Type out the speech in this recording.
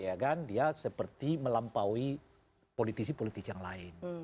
ya kan dia seperti melampaui politisi politisi yang lain